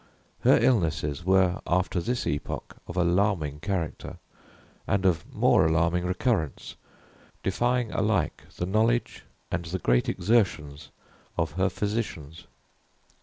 Her illnesses were, after this epoch, of alarming character, and of more alarming recurrence, defying alike the knowledge and the great exertions of her physicians.